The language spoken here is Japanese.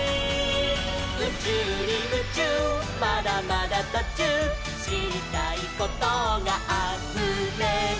「うちゅうにムチューまだまだとちゅう」「しりたいことがあふれる」